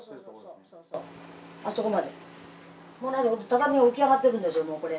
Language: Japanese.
あそこまで、畳浮き上がってるんですよ、これ。